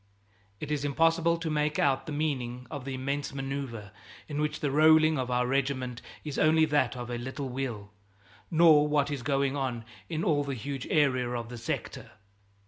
It is impossible to make out the meaning of the immense maneuver in which the rolling of our regiment is only that of a little wheel, nor what is going on in all the huge area of the sector.